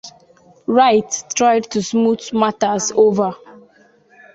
Wright tried to smooth matters over.